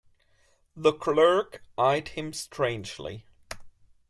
The clerk eyed him strangely.